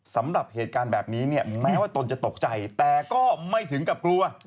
สำหรับเหตุการณ์แบบนี้เนี่ยแม้ว่าตนจะตกใจแต่ก็ไม่ถึงกับกลัว